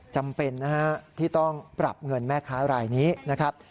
จำเป็นนะฮะที่ต้องปรับเงินแม่ค้ารายนี้นะครับ